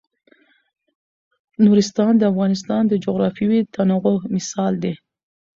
نورستان د افغانستان د جغرافیوي تنوع مثال دی.